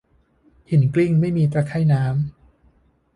หินกลิ้งไม่มีตะไคร่น้ำ